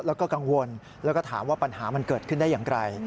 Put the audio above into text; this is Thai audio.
แล้วก็กังวลแล้วก็ถามว่าปัญหามันเกิดขึ้นได้อย่างไร